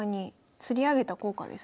つり上げた効果ですね。